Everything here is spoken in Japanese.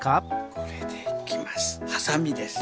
これでいきます。